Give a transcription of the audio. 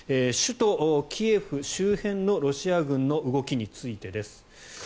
首都キエフ周辺のロシア軍の動きについてです。